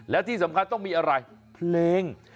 และที่สำคัญต้องมีอะไรเพลง